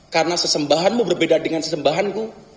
karena sesembahanmu berbeda dengan sesembahanku